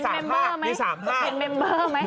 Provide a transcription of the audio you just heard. เป็นเมมเบอร์ไหม